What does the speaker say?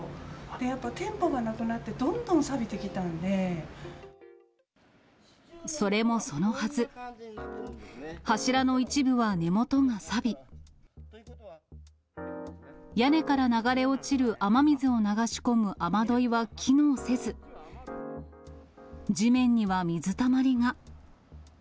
やっぱ店舗がなくなって、どんどそれもそのはず、柱の一部は根元がさび、屋根から流れ落ちる雨水を流し込む雨どいは機能せず、地面には水たまりが。